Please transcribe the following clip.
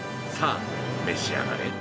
さあ、召し上がれ！！